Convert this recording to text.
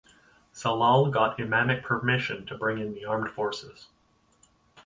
Sallal got imamic permission to bring in the armed forces.